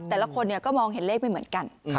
แต่ละคนก็มองเห็นเลขไม่เหมือนกัน